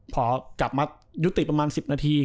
พอกลับมายุติประมาณ๑๐นาที